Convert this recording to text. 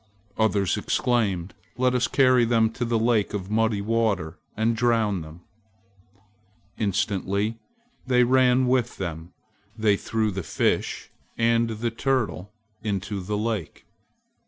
Others exclaimed: "Let us carry them to the lake of muddy water and drown them!" Instantly they ran with them. They threw the Fish and the Turtle into the lake.